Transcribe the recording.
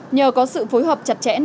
nhờ có sự phối hợp